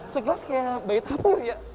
sekelas kayak bayi tapur ya